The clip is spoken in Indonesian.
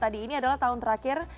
tadi ini adalah tahun terakhir